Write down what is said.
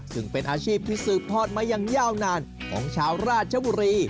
ซึ่งเป็นอาชีพที่สืบทอดมาอย่างยาวนานของชาวราชบุรี